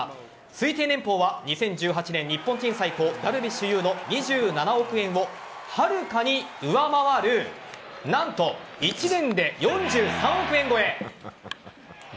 推定年俸は２０１８年、日本人最高ダルビッシュ有の２７億円を、はるかに上回る何と１年で４３億円超え。